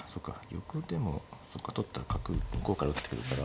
玉でもそっか取ったら角向こうから打ってくるから。